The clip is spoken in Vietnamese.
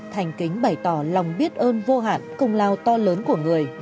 thành kính bày tỏ lòng biết ơn vô hạn công lao to lớn của người